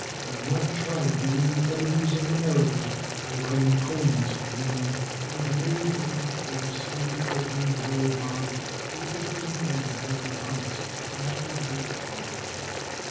Do not try to win the editors of America by writing poems beginning: Now the merry goatlet jumps, And the trifling yaller dog, With the tin can madly humps Like an acrobatic frog.